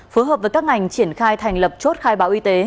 phối hợp với các ngành triển khai thành lập chốt khai báo y tế